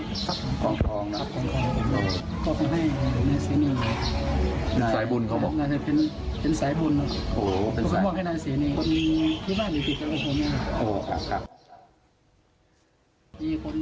ครับครองครองครับครองครองโอ้โหก็เป็นให้นายเสียหนึ่ง